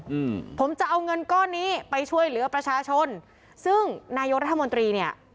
อืมผมจะเอาเงินก้อนนี้ไปช่วยเหลือประชาชนซึ่งนายกรัฐมนตรีเนี่ย